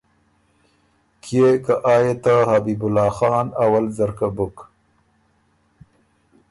کيې که آ يې ته حبیب الله خان اول ځرکۀ بُک۔